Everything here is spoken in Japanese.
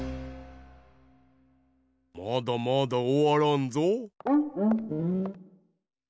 まだまだおわらんぞ。